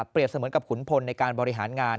เสมือนกับขุนพลในการบริหารงาน